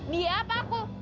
dia apa aku